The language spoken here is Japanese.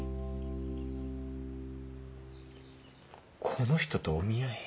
この人とお見合い？